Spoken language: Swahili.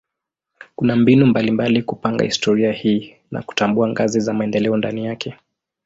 Kuna mbinu mbalimbali kupanga historia hii na kutambua ngazi za maendeleo ndani yake.